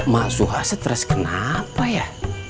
masuha stress kenapa ya